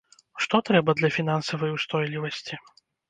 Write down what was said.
Што трэба для фінансавай устойлівасці?